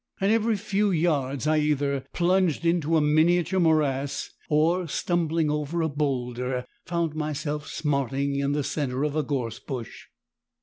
At every few yards I either plunged into a miniature morass or, stumbling over a boulder, found myself smarting in the centre of a gorse bush.